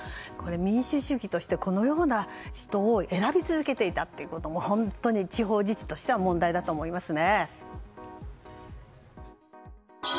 民主主義としてこのような人を選び続けていたことも本当に地方自治としては問題だと思いますね。